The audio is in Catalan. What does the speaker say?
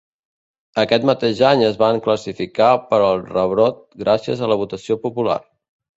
Aquest mateix any es van classificar per al Rebrot, gràcies a la votació popular.